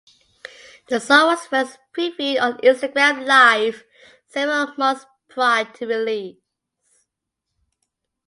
The song was first previewed on Instagram live several months prior to release.